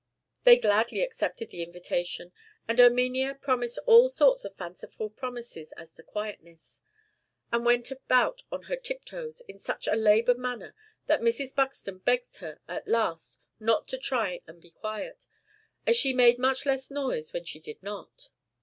They gladly accepted the invitation; and Erminia promised all sorts of fanciful promises as to quietness; and went about on her tiptoes in such a labored manner, that Mrs. Buxton begged her at last not to try and be quiet, as she made much less noise when she did not.